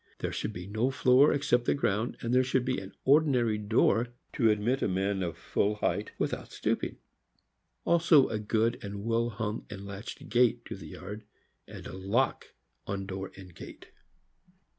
There should be no floor except the ground, and there should be an ordinary door to admit a man of full height without stooping; also a good and well hung and latched gate to the yard, and a lock on door and gate.